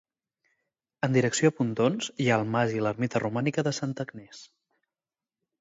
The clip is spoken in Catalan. En direcció a Pontons, hi ha el mas i l'ermita romànica de Santa Agnès.